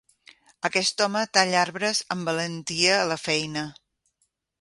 Aquest home talla arbres amb valentia a la feina.